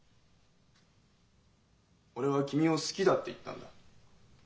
俺は君を好きだって言ったんだ。